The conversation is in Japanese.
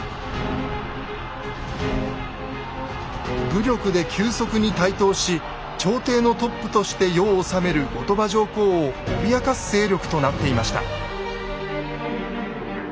武力で急速に台頭し朝廷のトップとして世を治める後鳥羽上皇を脅かす勢力となっていました。